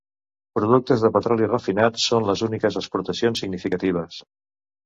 Productes de petroli refinat són les úniques exportacions significatives.